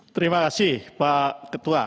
terima kasih pak ketua